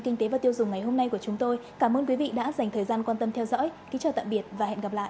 kinh tế và tiêu dùng ngày hôm nay của chúng tôi cảm ơn quý vị đã dành thời gian quan tâm theo dõi kính chào tạm biệt và hẹn gặp lại